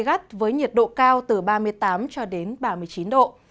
gai gắt với nhiệt độ cao từ ba mươi tám cho đến ba mươi chín độ